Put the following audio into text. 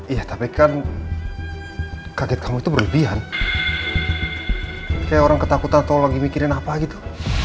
iya tapi kan kaget kamu tuh berlebihan kayak orang ketakutan tuh lagi mikirin apa gitu